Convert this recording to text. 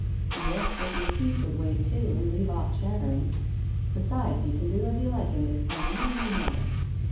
' Yes, if your teeth would wait, too, and leave off chattering. Besides, you can do as you like in this family and you know it.'